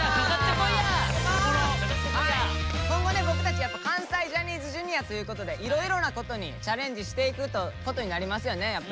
今後ね僕たちやっぱ関西ジャニーズＪｒ．ということでいろいろなことにチャレンジしていくことになりますよね。